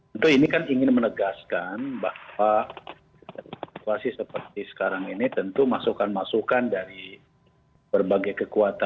tentu ini kan ingin menegaskan bahwa situasi seperti sekarang ini tentu masukan masukan dari berbagai kekuatan